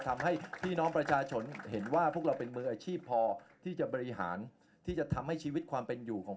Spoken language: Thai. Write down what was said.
มืออาชีพพอที่จะบริหารที่จะทำให้ชีวิตความเป็นอยู่ของ